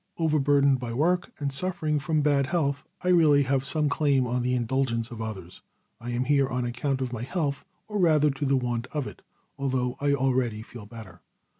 Overburdened by work, and suffering from bad health, I really have some claim on the indulgence of others. I am here on account of my health, or rather to the want of it, although I already feel better.